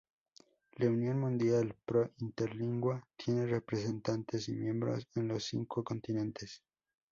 La Unión Mundial pro Interlingua tiene representantes y miembros en los cinco continentes.